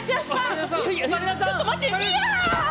ちょっと待ってよいや！